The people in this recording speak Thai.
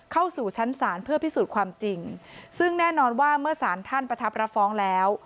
เข้าสู่ชั้นศาลเพื่อพิสูจน์ความจริงซึ่งแน่นอนว่าเมื่อสารท่านประทับรับฟ้องแล้ว